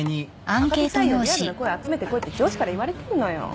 「若手社員のリアルな声集めてこい」って上司から言われてんのよ。